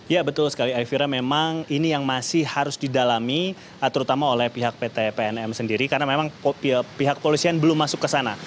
ya betul sekali elvira memang ini yang masih harus didalami terutama oleh pihak pt pnm sendiri karena memang pihak polisian belum masuk ke sana